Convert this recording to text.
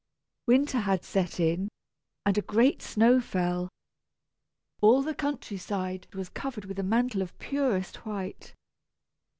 Winter had set in, and a great snow fell. All the country side was covered with a mantle of purest white.